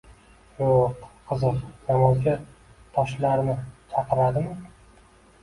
— Yoʼq. Qiziq, namozga toshlarni chaqiradimi?